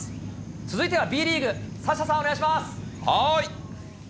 続いてはＢリーグ、サッシャさん、お願いします。